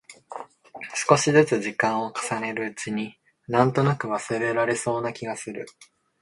少しづつ時間を重ねるうちに、なんとなく忘れられそうな気がする。